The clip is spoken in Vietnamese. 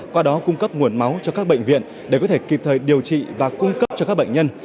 qua đó cung cấp nguồn máu cho các bệnh viện để có thể kịp thời điều trị và cung cấp cho các bệnh nhân